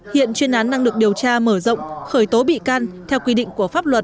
hiện chuyên án đang được điều tra mở rộng khởi tố bị can theo quy định của pháp luật